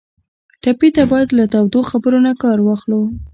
ټپي ته باید له تودو خبرو نه کار واخلو.